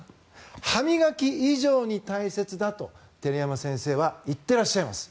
歯磨き以上に大切だと照山先生は言っていらっしゃいます。